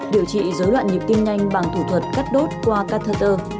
điều trị dối loạn nhịp tim nhanh bằng thủ thuật cắt đốt qua catherter